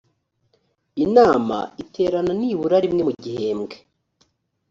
inama iterana nibura rimwe mu gihembwe